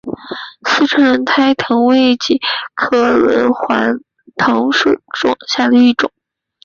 四川轮环藤为防己科轮环藤属下的一个种。